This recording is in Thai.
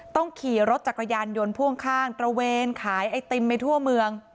ต้องขี่รถจักรยานยนต์พ่วงข้างตระเวนขายไอติมไปทั่วเมือง